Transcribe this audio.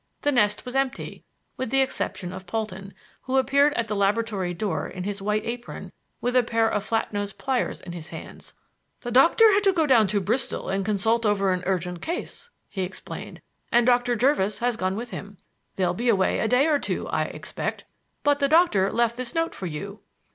The nest was empty with the exception of Polton, who appeared at the laboratory door in his white apron, with a pair of flat nosed pliers in his hands. "The Doctor had to go down to Bristol to consult over an urgent case," he explained, "and Doctor Jervis has gone with him. They'll be away a day or two, I expect, but the Doctor left this note for you."